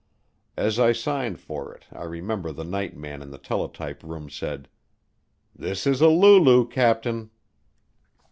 As I signed for it I remember the night man in the teletype room said, "This is a lulu, Captain."